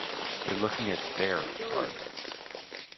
They're looking at "their" pair.